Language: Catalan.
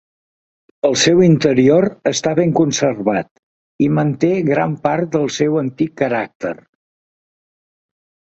El seu interior està ben conservat, i manté gran part del seu antic caràcter.